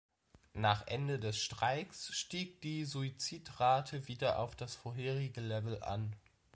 Nach Ende des Streiks stieg die Suizidrate wieder auf das vorherige Level an.